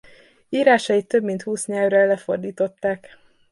Írásait több mint húsz nyelvre lefordították.